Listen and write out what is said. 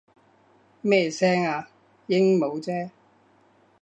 咩聲啊？鸚鵡啫